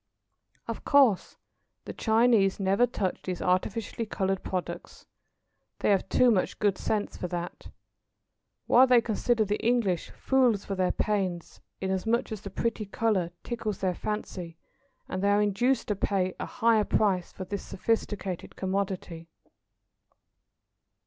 Of course the Chinese never touch these artificially coloured products. They have too much good sense for that. While they consider the English fools for their pains, inasmuch as the pretty colour tickles their fancy, and they are induced to pay a higher price for the sophisticated commodity.